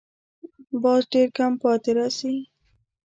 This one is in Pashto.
باز ډېر کم پاتې راځي